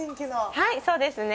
はいそうですね。